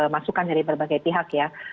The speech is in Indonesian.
masukan dari berbagai pihak ya